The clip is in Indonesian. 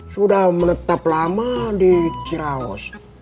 sudah menetap lama di cirawas